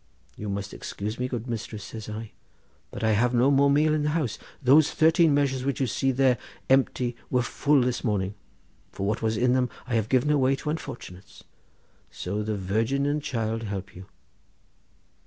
'You must excuse me, dear mistress,' says I, 'but I have no more meal in the house. Those thirteen measures which you see there empty were full this morning, for what was in them I have given away to unfortunates. So the Virgin and Child help you.